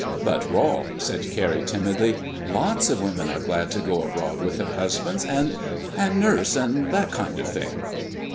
"But, Rol," said Carrie timidly, "lots of women are glad to go abroad with their husbands, and and nurse, and that kind of thing."